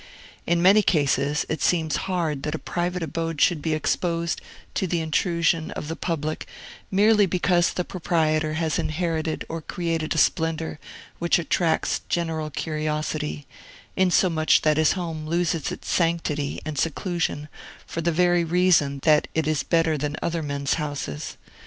In many cases, it seems hard that a private abode should be exposed to the intrusion of the public merely because the proprietor has inherited or created a splendor which attracts general curiosity; insomuch that his home loses its sanctity and seclusion for the very reason that it is better than other men's houses.